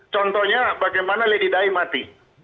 contohnya bagaimana lady dae mati